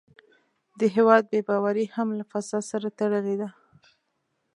د هېواد بې باوري هم له فساد سره تړلې ده.